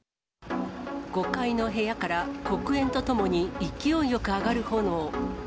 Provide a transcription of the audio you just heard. ５階の部屋から黒煙とともに勢いよく上がる炎。